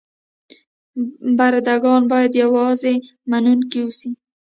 برده ګان باید یوازې منونکي اوسي.